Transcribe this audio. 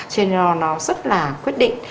cho nên là nó rất là quyết định